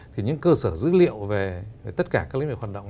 thì những cơ sở dữ liệu về tất cả các lĩnh vực hoạt động